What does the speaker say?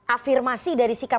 afirmasi dari sikap